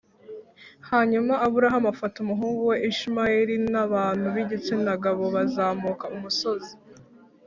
Hanyuma Aburahamu afata umuhungu we Ishimayeli n abantu b igitsina gabo bazamuka umusozi